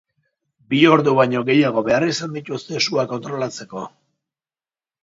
Bi ordu baino gehiago behar izan dituzte sua kontrolatzeko.